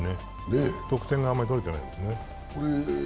得点があまり取れてない。